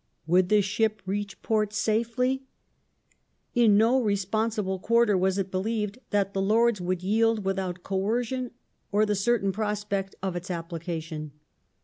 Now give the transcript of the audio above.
Would the ship reach poi t safely ? In no responsible quarter The was it believed that the Lords would yield without coercion, or J^o^se of the certain prospect of its application.